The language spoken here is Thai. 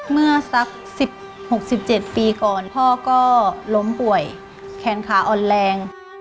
เมื่อสักสิบหกสิบเจ็ดปีก่อนพ่อก็ล้มป่วยแขนขาอ่อนแรง